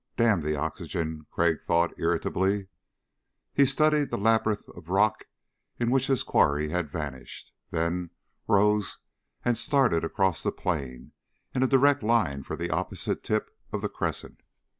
Damn the oxygen, Crag thought irritably. He studied the labyrinth of rock into which his quarry had vanished, then rose and started across the plain in a direct line for the opposite tip of the crescent.